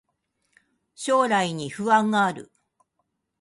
将来に不安がある